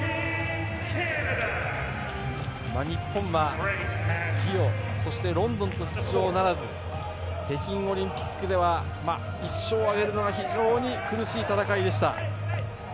日本はリオ、そしてロンドンと出場ならず北京オリンピックでは１勝を挙げるのが非常に苦しい戦いでした。